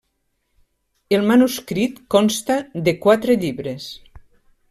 El manuscrit consta de quatre llibres.